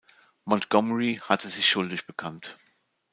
Montgomery hatte sich schuldig bekannt.